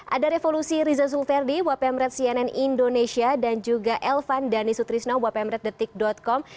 ada revolusi riza sulverdi wp mered cnn indonesia dan juga elvan danisutrisno wp mered detik com